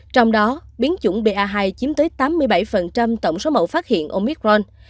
trong đó biến chủng ba hai chiếm tới tám mươi bảy tổng số mẫu phát hiện omicron